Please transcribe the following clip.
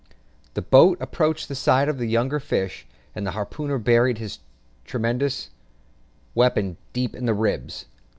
The boat approached the side of the younger fish, and the harpooner buried his tremendous weapon deep in the ribs.